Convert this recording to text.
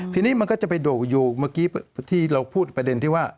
ทีนี้มันก็จะไปโด่งอยู่เมื่อกี้ที่เราพูดประเด็นที่ว่า